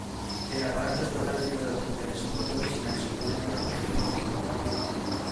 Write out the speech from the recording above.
El aparato estatal tiene dos funciones importantes en el sistema de capitalización.